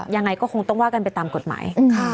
ยังไงก็คงต้องว่ากันไปตามกฎหมาย